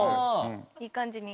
いい感じに。